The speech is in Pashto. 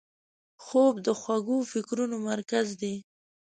خوب د خوږو فکرونو مرکز دی